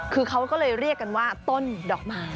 คือเขาก็เลยเรียกกันว่าต้นดอกไม้